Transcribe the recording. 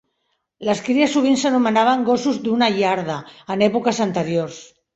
Les cries sovint s'anomenaven "gossos d'una iarda" en èpoques anteriors.